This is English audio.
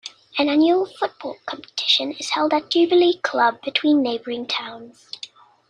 An annual football competition is held at Jubilee Club between neighbouring towns.